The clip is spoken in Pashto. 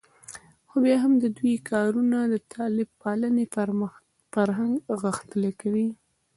خو بیا هم د دوی کارونه د طالب پالنې فرهنګ غښتلی کوي